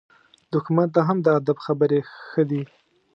دښمن ته هم د ادب خبرې ښه دي.